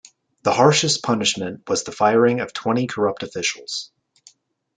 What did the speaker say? The harshest punishment was the firing of twenty corrupt officials.